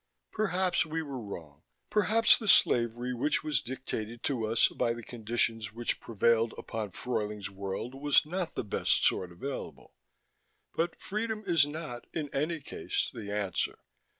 Perhaps we were wrong: perhaps the slavery which was dictated to us by the conditions which prevailed upon Fruyling's World was not the best sort available. But freedom is not, in any case, the answer.